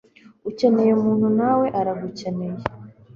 ukeneye umuntu, nawe uragukeneye